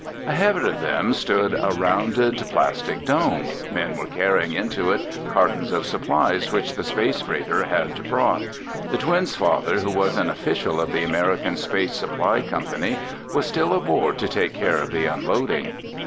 Ahead of them stood a rounded plastic dome. Men were carrying into it cartons of supplies which the space freighter had brought. The twins' father, who was an official of the American Space Supply Company, was still aboard to take care of the unloading.